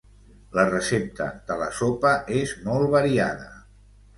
La recepta de la sopa és molt variada.